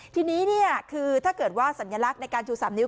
ทีนี้คือถ้าเกิดว่าสัญลักษณ์ในการชู๓นิ้